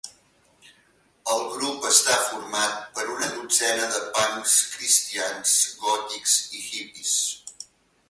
El grup està format per una dotzena de punks cristians, gòtics i hippies.